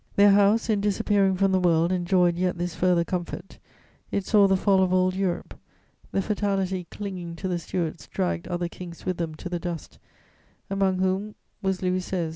Their House, in disappearing from the world, enjoyed yet this further comfort: it saw the fall of old Europe; the fatality clinging to the Stuarts dragged other kings with them to the dust, among whom was Louis XVI.